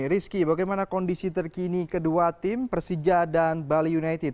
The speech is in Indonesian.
rizky bagaimana kondisi terkini kedua tim persija dan bali united